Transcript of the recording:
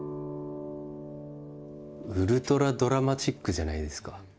ウルトラドラマチックじゃないですか。